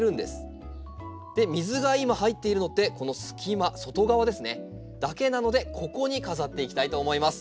水が今入っているのってこの隙間外側だけなのでここに飾っていきたいと思います。